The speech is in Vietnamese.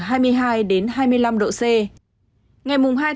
ngày mùa hai tháng năm trời nhiều mây có mưa mưa rào